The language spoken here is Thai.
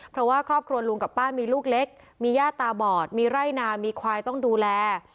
เพราะว่าครอบครัวลุงกับป้ามีลูกเล็กมีย่าตาบอดมีไร่นามีควายต้องดูแล